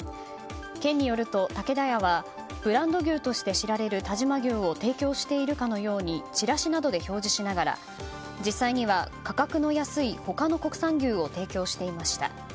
県によると、竹田屋はブランド牛として知られる但馬牛を提供しているかのようにチラシなどで表示しながら実際には価格の安い他の国産牛を提供していました。